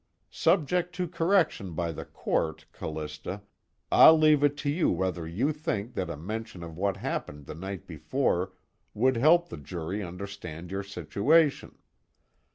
Subject to correction by the Court, Callista, I'll leave it to you whether you think that a mention of what happened the night before would help the jury understand your situation.